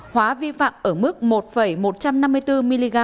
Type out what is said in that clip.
hóa vi phạm ở mức một một trăm năm mươi bốn mg